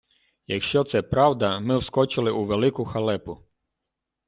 Якщо це правда, ми вскочили у велику халепу.